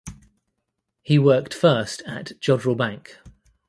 He worked first at Jodrell Bank.